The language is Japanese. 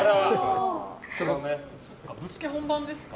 ぶっつけ本番ですか？